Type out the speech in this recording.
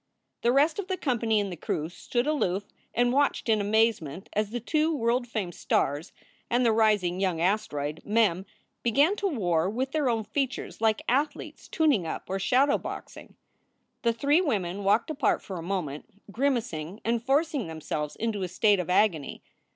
The rest of the company and the crew stood aloof and watched in amazement as the two world famed stars and the rising young asteroid, Mem, began to war with their own features like athletes tuning up or shadow boxing. The three women walked apart for a moment, grimacing and forcing themselves into a state of agony.